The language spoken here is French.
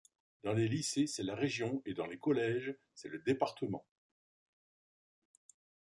Dans les lycées, c’est la région, et dans les collèges, c’est le département.